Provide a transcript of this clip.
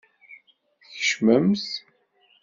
Tkecmemt.